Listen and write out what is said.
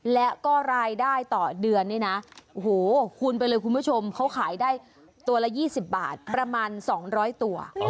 และก็รายได้ต่อเดือนนี่นะโอ้โหคูณไปเลยคุณผู้ชมเขาขายได้ตัวละ๒๐บาทประมาณ๒๐๐ตัว